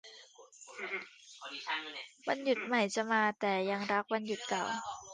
วันหยุดใหม่จะมา แต่ยังรักวันหยุดเก่า